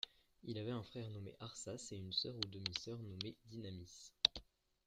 Il avait un frère nommé Arsace et une sœur ou demi-sœur nommée Dynamis.